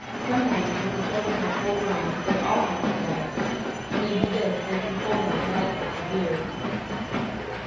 Sometimes, when the children are full grown, they all hunt together. When they do this they can pull down Lightfoot the Deer.